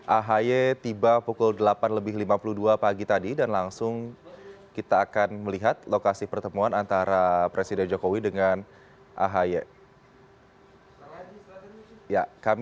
ahy tiba pukul delapan lebih lima puluh dua pagi tadi dan langsung kita akan melihat lokasi pertemuan antara presiden jokowi dengan ahy